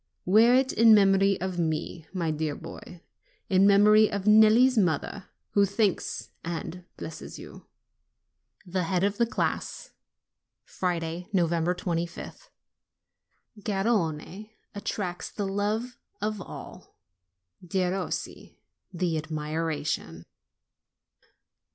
wear it in memory of me, my dear boy; in memory of Nelli's mother, who thanks and blesses you." THE HEAD OF THE CLASS Friday, 25th. Garrone attracts the love of all; Derossi, the admira tion.